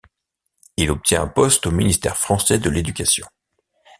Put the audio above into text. Il obtient un poste au ministère français de l'éducation.